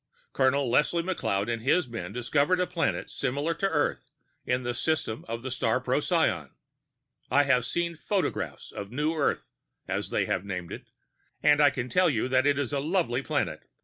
Colonel Leslie McLeod and his men discovered a planet similar to Earth in the system of the star Procyon. I have seen photographs of New Earth, as they have named it, and I can tell you that it is a lovely planet ...